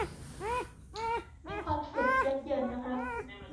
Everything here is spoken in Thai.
มีความสุขยับเยินนะครับ